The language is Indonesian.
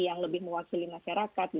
yang lebih mewakili masyarakat